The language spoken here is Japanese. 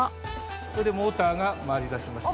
これでモーターが回り出しました。